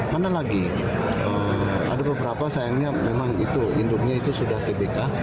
mana lagi ada beberapa sayangnya memang itu induknya itu sudah tbk